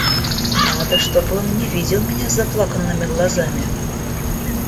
Надо, чтобы он не видел меня с заплаканными глазами.